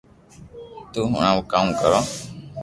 تو ھڻاو ڪاوُ ڪارو